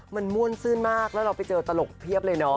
มันม่วนซื่นมากแล้วเราไปเจอตลกเพียบเลยเนาะ